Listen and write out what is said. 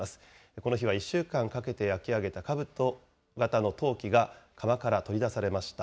この日は１週間かけて焼き上げたかぶと型の陶器が窯から取り出されました。